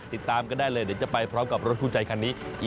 ติดตามกันได้เลยเดี๋ยวจะไปพร้อมกับรถคู่ใจคันนี้